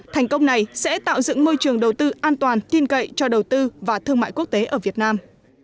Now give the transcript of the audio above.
thành công này sẽ tạo dựng môi trường đầu tư an toàn tin cậy cho đầu tư và thương mại quốc tế ở việt nam